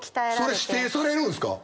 それ指定されるんすか？